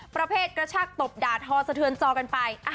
ประเภทกระชากตบด่าทอสะเทือนจอกันไป